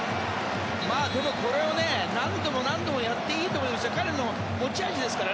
これを何度も何度もやっていいと思いますよ。